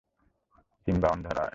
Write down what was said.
Simba অন্ধ নয়।